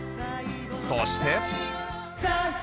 そして。